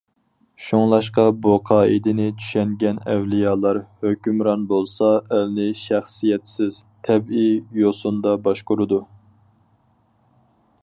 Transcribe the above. شۇڭلاشقا بۇ قائىدىنى چۈشەنگەن ئەۋلىيالار ھۆكۈمران بولسا ئەلنى شەخسىيەتسىز، تەبىئىي يوسۇندا باشقۇرىدۇ.